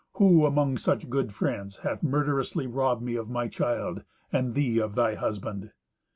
Who, among such good friends, hath murderously robbed me of my child, and thee of thy husband?"